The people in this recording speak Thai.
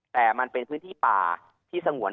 แต่มันเป็นพื้นที่ป่าที่สงวน